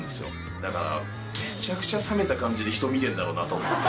だから、めちゃくちゃ冷めた感じで人見てるんだろうなと。